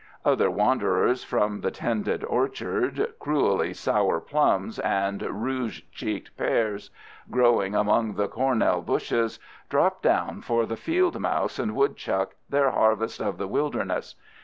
Other wanderers from the tended orchard—cruelly sour plums and rouge cheeked pears—growing among the cornel bushes, drop down for the field mouse and woodchuck their harvest of the wilderness.